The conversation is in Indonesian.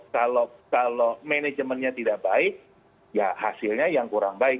kalau manajemennya tidak baik ya hasilnya yang kurang baik